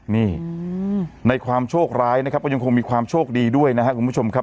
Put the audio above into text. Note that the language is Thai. นี่ในความโชคร้ายนะครับก็ยังคงมีความโชคดีด้วยนะครับคุณผู้ชมครับ